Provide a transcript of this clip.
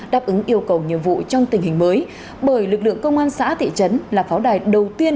đáp ứng yêu cầu nhiệm vụ trong tình hình mới bởi lực lượng công an xã thị trấn là pháo đài đầu tiên